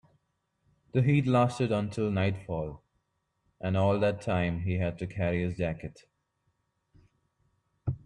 The heat lasted until nightfall, and all that time he had to carry his jacket.